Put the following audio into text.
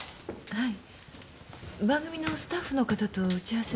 はい。